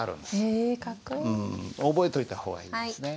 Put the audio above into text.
え覚えといた方がいいですね。